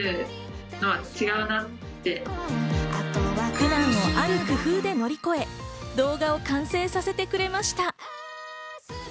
苦難をある工夫で乗り越え、動画を完成させてくれました。